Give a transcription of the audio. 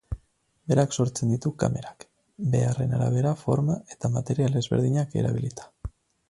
Berak sortzen ditu kamerak, beharren arabera forma eta material ezberdinak erabilita.